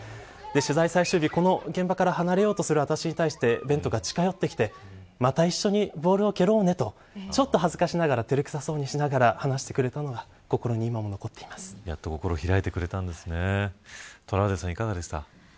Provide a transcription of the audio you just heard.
取材最終日、現場から離れようとする私に対してベントが近寄ってきてまた一緒にボールを蹴ろうねとちょっと恥ずかしながら照れくさそうに話してくれたのがやっと心を開いてくれたんですね、トラウデンさんいかがですか。